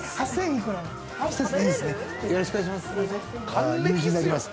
よろしくお願いします。